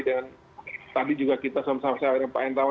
dan tadi juga kita sama sama dengan pak hendrama